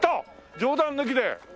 冗談抜きで。